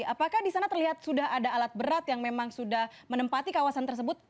apakah di sana terlihat sudah ada alat berat yang memang sudah menempati kawasan tersebut